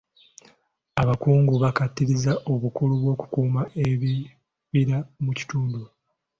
Abakungu bakkaatirizza obukulu bw'okukuuma ebibira mu kitundu.